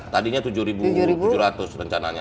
tadinya tujuh tujuh ratus rencananya